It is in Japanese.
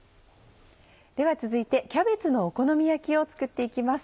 では続いてキャベツのお好み焼きを作って行きます。